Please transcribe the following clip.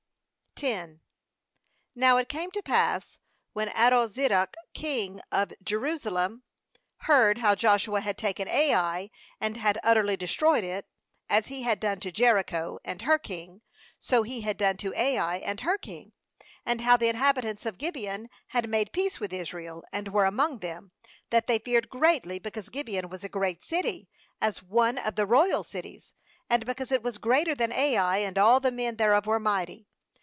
•j A Now it came to pass, when Adoni zedek king of Jerusalem heard how Joshua had taken Ai, and had utterly destroyed it; as he had done to Jericho and her king, so he had done to Ai and her kmg; and how the inhabitants of Gibeon had made peace with Israel, and were among them ;2that they feared greatly, because Gibeon was a great city, as one of the royal cities, and because it was greater than Ai, and all the men thereof were mighty.